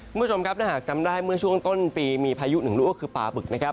คุณผู้ชมครับถ้าหากจำได้เมื่อช่วงต้นปีมีพายุหนึ่งลูกคือปลาบึกนะครับ